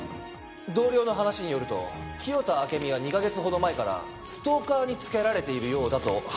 同僚の話によると清田暁美は２カ月ほど前からストーカーにつけられているようだと話していたそうです。